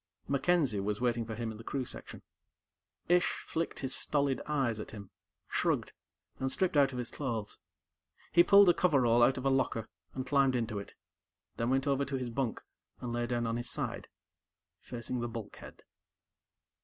MacKenzie was waiting for him in the crew section. Ish flicked his stolid eyes at him, shrugged, and stripped out of his clothes. He pulled a coverall out of a locker and climbed into it, then went over to his bunk and lay down on his side, facing the bulkhead.